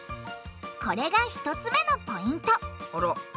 これが１つ目のポイント！